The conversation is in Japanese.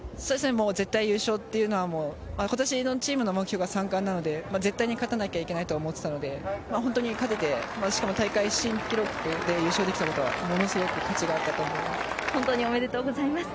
絶対優勝というのは今年のチームの目標が３冠なので絶対に勝たなきゃいけないと思っていたので、本当に勝ててしかも大会新記録で優勝できたことはものすごく価値があったと思います。